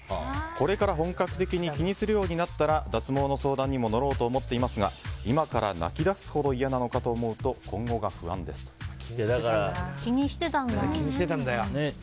これから本格的に気にするようになったら脱毛の相談にも乗ろうと思っていますが今から泣き出すほど嫌なのかと思うと気にしてたんだ。